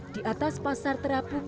di atas pasar terapung